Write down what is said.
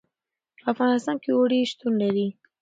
په افغانستان کې اوړي شتون لري.